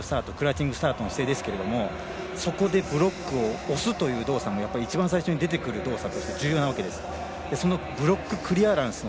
クラウチングスタートの姿勢ですけれどもそこでブロックを押すというしぐさ一番最初に出てくる動作が大事なわけです。